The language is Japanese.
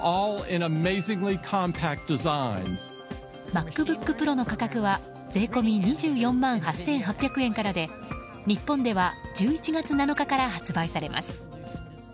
ＭａｃＢｏｏｋＰｒｏの価格は税込み２４万８８００円からで日本では１１月７日から発売されます。